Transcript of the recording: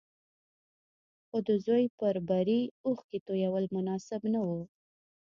خو د زوی پر بري اوښکې تويول مناسب نه وو.